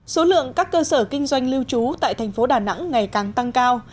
số lượng các cơ sở kinh doanh lưu trú tại thành phố đà nẵng ngày càng tăng cao